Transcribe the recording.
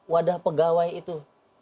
wadah pegawai itu